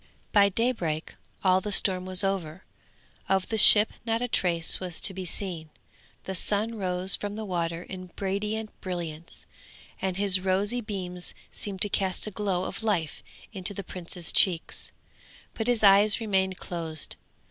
By daybreak all the storm was over, of the ship not a trace was to be seen; the sun rose from the water in radiant brilliance, and his rosy beams seemed to cast a glow of life into the prince's cheeks, but his eyes remained closed.